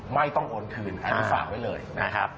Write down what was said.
ไม่ต้องโอนคืนไอ้คุณฝากไว้เลย